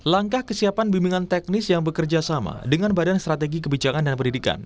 langkah kesiapan bimbingan teknis yang bekerja sama dengan badan strategi kebijakan dan pendidikan